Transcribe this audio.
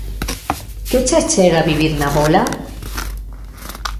Que che achega vivir na Bola?